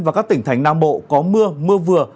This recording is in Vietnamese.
và các tỉnh thành nam bộ có mưa mưa vừa